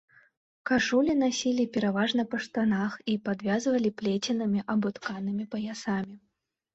Кашулі насілі пераважна па штанах і падвязвалі плеценымі або тканымі паясамі.